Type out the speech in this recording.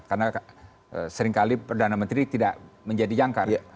karena seringkali perdana menteri tidak menjadi jangkar